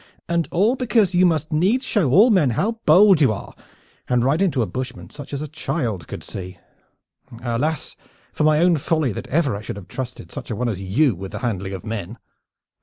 And all because you must needs show all men how bold you are, and ride into a bushment such as a child could see. Alas for my own folly that ever I should have trusted such a one as you with the handling of men!"